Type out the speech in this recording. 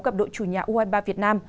cặp đội chủ nhà u hai mươi ba việt nam